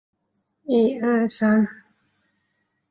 次日颜色格外鲜明。